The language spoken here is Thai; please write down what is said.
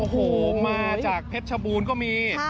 โอ้โหมาจากเพชรชบูรณ์ก็มี